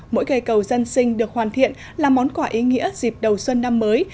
mỗi ngày cầu dân sinh được hoàn thiện là món quả ý nghĩa dịp đầu xuân năm mới